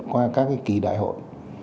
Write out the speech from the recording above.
qua các kỳ đại hội